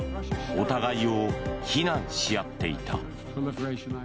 お互いを非難し合っていた。